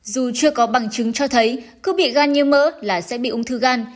dù chưa có bằng chứng cho thấy cứ bị gan như mỡ là sẽ bị ung thư gan